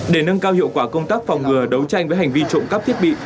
để nâng cao hiệu quả công tác phòng ngừa đấu tranh với hành vi trộm cắp thiết bị